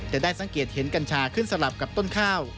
จะได้สังเกตเห็นกัญชาขึ้นสลับกับต้นข้าว